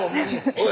おい！